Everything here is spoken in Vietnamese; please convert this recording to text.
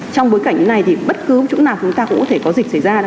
trong bối cảnh này thì bất cứ chỗ nào chúng ta cũng có thể có dịch xảy ra